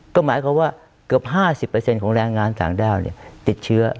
ก็หมายความว่าเกือบ๕๐ของแรงงานต่างด้าวติดเชื้อ